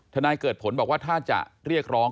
นายเกิดผลบอกว่าถ้าจะเรียกร้อง